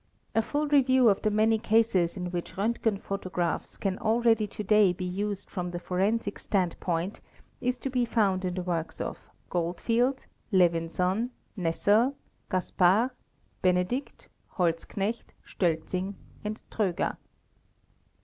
A full review of the many cases in which Rontgen photographs can already to day be used from the forensic standpoint is to be found in the works of Goldfield®®, Levinsohn®™, Nessel™®), Gastpar@", Benedikt@ Holzknecht®™, Stélzing®?, and Tréger®®.